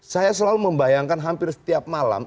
saya selalu membayangkan hampir setiap malam